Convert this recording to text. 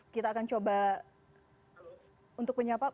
kita akan coba untuk menyapa